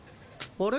あれ？